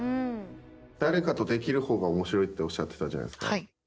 誰かとできる方が面白いっておっしゃってたじゃないですか。